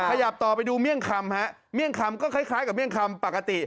ขยับต่อไปดูเมี่ยงคำฮะเมี่ยงคำก็คล้ายกับเมี่ยงคำปกติ